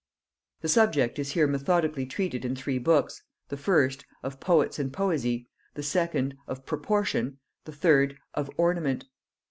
The subject is here methodically treated in three books; the first, "Of Poets and Poesy;" the second, "Of Proportion;" the third, "Of Ornament."